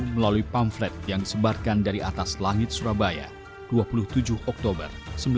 melalui pamflet yang disebarkan dari atas langit surabaya dua puluh tujuh oktober seribu sembilan ratus empat puluh